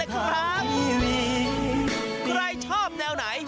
ใครชอบแนวไหน